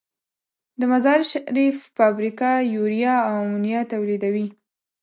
د مزارشریف فابریکه یوریا او امونیا تولیدوي.